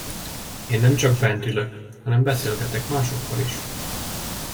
Én nem csak bent ülök, hanem beszélgetek másokkal is.